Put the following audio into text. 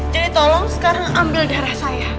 tolong sekarang ambil darah saya